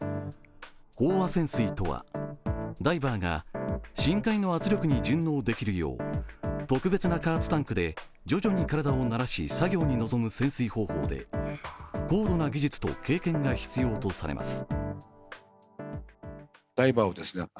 飽和潜水とはダイバーが深海の圧力に順応できるよう特別な加圧タンクで徐々に体を慣らし作業に臨む潜水方法で高度な技術と経験が必要とされます。